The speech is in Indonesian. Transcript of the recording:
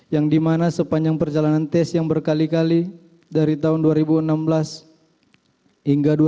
yang dimana sepanjang perjalanan tes yang berkali kali dari tahun dua ribu enam belas hingga dua ribu sembilan belas